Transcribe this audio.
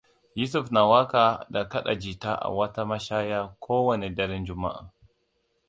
Yusuf na waƙa da kaɗa jita a wata mashaya ko wane daren Juma'a.